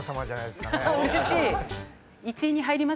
うれしい。